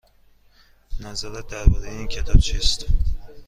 نظرت درباره این کتاب چیست؟